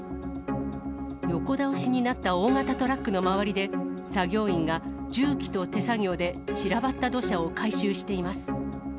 横倒しになった大型トラックの周りで、作業員が重機と手作業で散らばった土砂を回収しています。